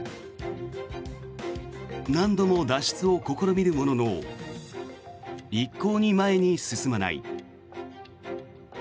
何度も脱出を試みるものの一向に前に進まない。